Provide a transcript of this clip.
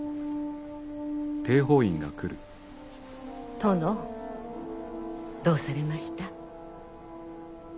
殿どうされました？